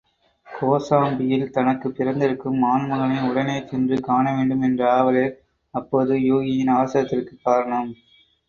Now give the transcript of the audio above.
கோசாம்பியில் தனக்குப் பிறந்திருக்கும் ஆண்மகனை உடனே சென்று காணவேண்டும் என்ற ஆவலே அப்போது யூகியின் அவசரத்திற்குக் காரணம்.